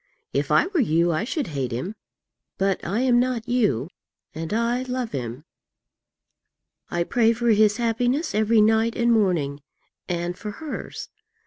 If I were you, I should hate him; but I am not you, and I love him. I pray for his happiness every night and morning, and for hers.